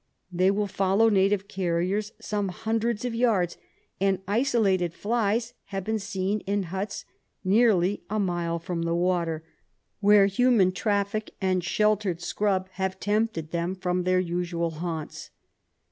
They will follow native carriers some hundreds of yards, and isolated flies have been seen in huts nearly a mile from the water, where human traffic and sheltered scrub have tempted them from their usual haunts.